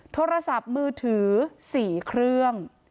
โทรศัพท์มือถือ๔เครื่อง